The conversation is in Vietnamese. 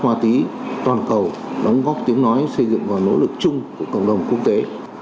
ma túy toàn cầu đóng góp tiếng nói xây dựng và nỗ lực chung của cộng đồng quốc tế